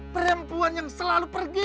perempuan yang selalu pergi